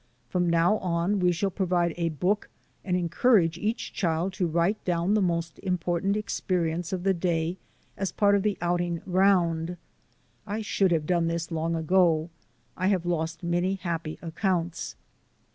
From now on we shall provide a book and encourage each child to write down the most important experience of the day as a part of the outing round. I should have done this long ago. I have lost many happy accounts.